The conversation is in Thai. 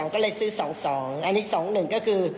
ก็เลยซื้อ๒๒อันนี้๒๑ก็คือ